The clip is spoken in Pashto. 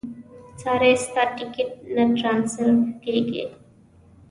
ساري ستا ټیکټ نه ټرانسفر کېږي.